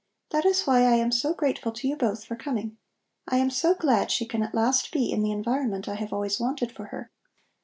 That is why I am so grateful to you both for coming. I am so glad she can at last be in the environment I have always wanted for her.